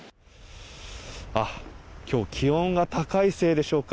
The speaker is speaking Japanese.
今日気温が高いせいでしょうか